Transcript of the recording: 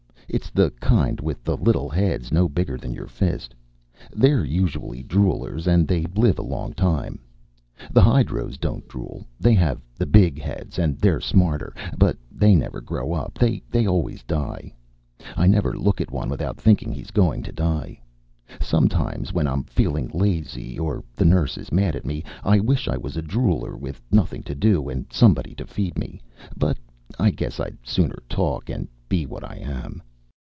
It's the kind with the little heads no bigger than your fist. They're usually droolers, and they live a long time. The hydros don't drool. They have the big heads, and they're smarter. But they never grow up. They always die. I never look at one without thinking he's going to die. Sometimes, when I'm feeling lazy, or the nurse is mad at me, I wish I was a drooler with nothing to do and somebody to feed me. But I guess I'd sooner talk and be what I am.